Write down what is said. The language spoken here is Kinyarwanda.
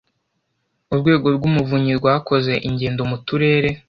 urwego rw’umuvunyi rwakoze ingendo mu turere